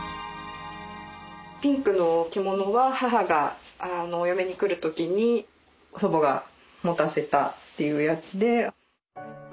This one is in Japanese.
ピンクの着物は母がお嫁に来る時に祖母が持たせたというやつで。